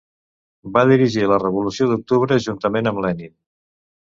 Va dirigir la Revolució d'Octubre juntament amb Lenin.